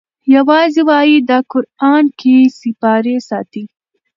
یوازی وایي دا قران که سیپارې ساتی